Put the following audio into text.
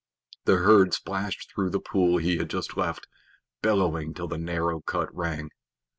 The herd splashed through the pool he had just left, bellowing till the narrow cut rang.